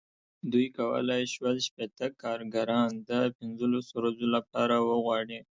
دوی کولای شول شپېته کارګران د پنځلسو ورځو لپاره وغواړي.